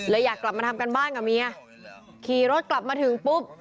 อยากกลับมาทำการบ้านกับเมียขี่รถกลับมาถึงปุ๊บ